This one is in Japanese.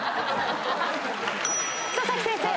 佐々木先生。